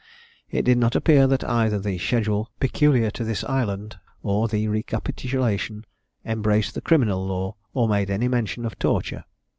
It did not appear that either the schedule peculiar to this island, or the recapitulation, embraced the criminal law, or made any mention of torture.